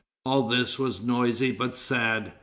All this was noisy but sad.